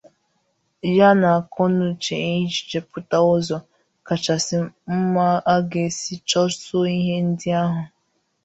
ya na akọnuche iji chepụta ụzọ kachasị mma a ga-esi chụsòó ihe ndị ahụ.